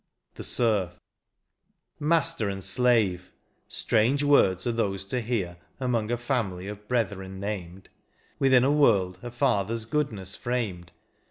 66 XXVII. THE S?RF. Master and slave ! strange words are those to hear Among a family of brethren named^ Within a world a father s goodness framed.